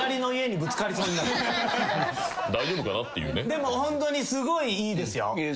でもホントにすごいいいですよ。